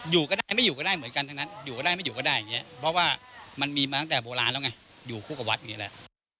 อยู่ก็ได้ไม่อยู่ก็ได้เหมือนกันทั้งนั้นอยู่ก็ได้ไม่อยู่ก็ได้อย่างนี้เพราะว่ามันมีมาตั้งแต่โบราณแล้วไงอยู่คู่กับวัดอย่างนี้แหละ